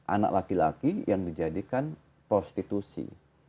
anak laki laki yang dijadikan prostitusi